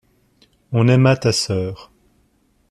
On aima ta sœur.